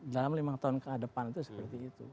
dalam lima tahun ke depan itu seperti itu